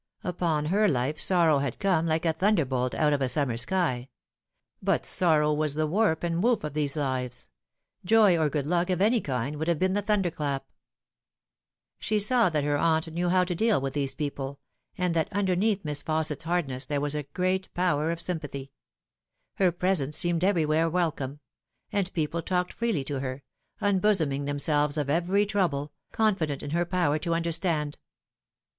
Upon her life sorrow had come, like a thunderbolt out of a summer sky ; but sorrow was the warp and woof of these lives ; joy or good luck of any kind would have been the thunderclap. She saw that her aunt knew how to deal with these people, and that underneath Miss Fausset's hardness there was a great power of sympathy. Her presence seemed everywhere wel come ; and people talked freely to her, unbosoming themselves of every trouble, confident in her power to understand.